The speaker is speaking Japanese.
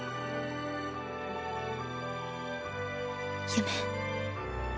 夢。